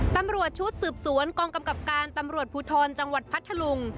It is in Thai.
ตำรวจชุดสืบสวนกองกำกับการตำรวจภูทรจังหวัดพัทธลุง